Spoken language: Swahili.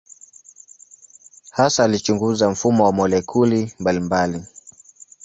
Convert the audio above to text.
Hasa alichunguza mfumo wa molekuli mbalimbali.